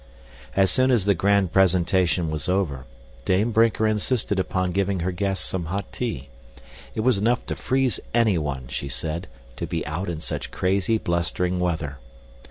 As soon as the grand presentation was over, Dame Brinker insisted upon giving her guests some hot tea; it was enough to freeze anyone, she said, to be out in such crazy, blustering weather.